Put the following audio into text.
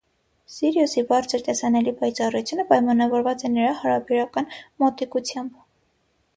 Սիրիուսի բարձր տեսանելի պայծառությունը պայմանավորված է նրա հարաբերական մոտիկությամբ։